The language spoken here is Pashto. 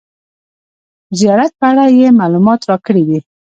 زیارت په اړه یې معلومات راکړي دي.